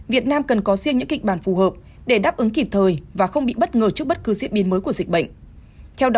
việt nam cần có riêng những kịch bản phù hợp để đáp ứng kịp thời và không bị bất ngờ trước bất cứ diễn biến mới của dịch bệnh